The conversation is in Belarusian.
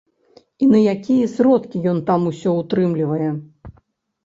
І на якія сродкі ён там усё ўтрымлівае?